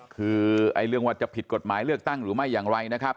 คือเรื่องว่าจะผิดกฎหมายเลือกตั้งหรือไม่อย่างไรนะครับ